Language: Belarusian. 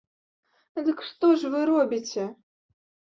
Дык што ж вы робіце!